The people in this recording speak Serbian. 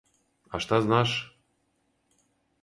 А шта знаш?